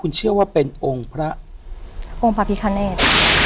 คุณเชื่อว่าเป็นองค์พระองค์พระพิคเนต